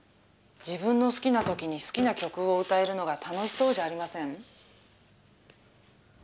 自分の好きな時に好きな曲を歌えるのが楽しそうじゃありません？